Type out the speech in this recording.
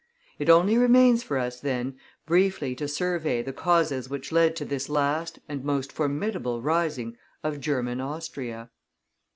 It only remains for us, then, briefly to survey the causes which led to this last and most formidable rising of German Austria.